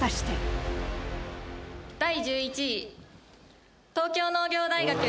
第１１位、東京農業大学。